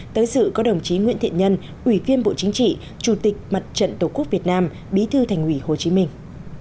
tới dự có đồng chí nguyễn thiện nhân ủy viên bộ chính trị chủ tịch mật trận tổ quốc việt nam bí thư thành ủy hồ chí minh